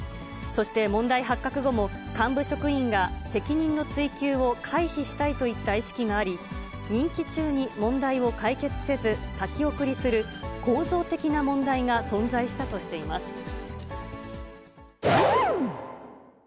そして問題発覚後も、幹部職員が責任の追及を回避したいといった意識があり、任期中に問題を解決せず、先送りする、構造的な問題が存在したとしています。